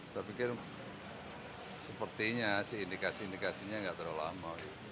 saya pikir sepertinya sih indikasi indikasinya nggak terlalu lama